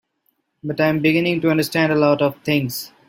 But I'm beginning to understand a lot of things.